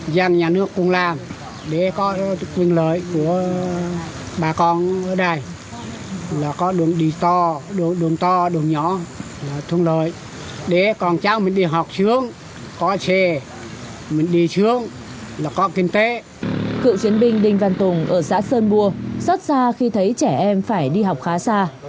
gia đình cựu chiến binh đinh văn tùng ở xã sơn bùa xót xa khi thấy trẻ em phải đi học khá xa